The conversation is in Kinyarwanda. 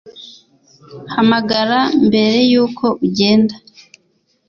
Hamagara mbere yuko ugenda